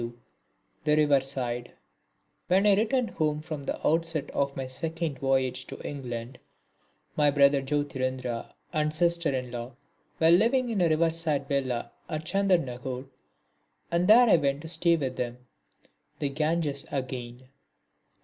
(32) The River side When I returned home from the outset of my second voyage to England, my brother Jyotirindra and sister in law were living in a river side villa at Chandernagore, and there I went to stay with them. The Ganges again!